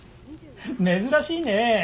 珍しいねえ。